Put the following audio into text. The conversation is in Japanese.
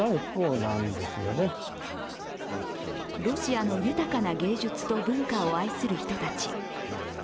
ロシアの豊かな芸術と文化を愛する人たち。